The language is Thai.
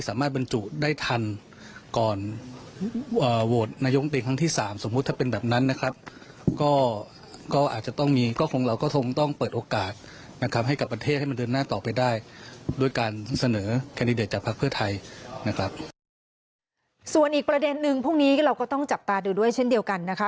ส่วนอีกประเด็นนึงพรุ่งนี้เราก็ต้องจับตาดูด้วยเช่นเดียวกันนะคะ